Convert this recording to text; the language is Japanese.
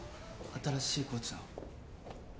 新しいコーチの。